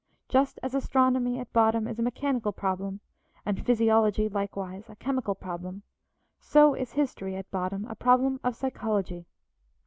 Just as astronomy, at bottom, is a mechanical problem, and physiology, likewise, a chemical problem, so is history, at bottom, a problem of psychology.